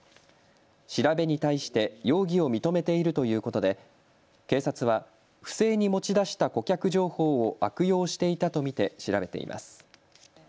調べに対して容疑を認めているということで警察は不正に持ち出した顧客情報を悪用していたと見て調べています。